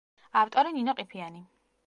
ავტორი: ნინო ყიფიანი.